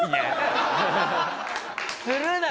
するな！